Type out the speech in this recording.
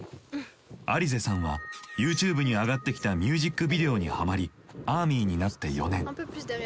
アリゼさんはＹｏｕＴｕｂｅに上がってきたミュージックビデオにハマりアーミーになって４年。